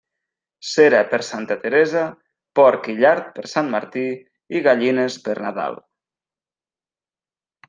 Cera per Santa Teresa, porc i llard per Sant Martí i gallines per Nadal.